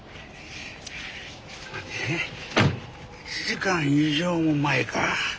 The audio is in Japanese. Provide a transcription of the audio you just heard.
１時間以上も前か。